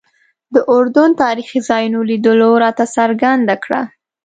د اردن تاریخي ځایونو لیدلو راته څرګنده کړه.